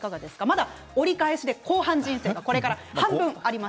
まだ折り返しで、後半人生半分あります。